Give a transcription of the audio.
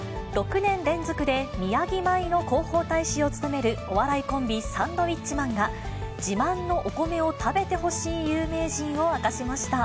６年連続で宮城米の広報大使を務めるお笑いコンビ、サンドウィッチマンが、自慢のお米を食べてほしい有名人を明かしました。